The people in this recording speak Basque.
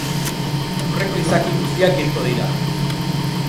Lurreko izaki guztiak hilko dira.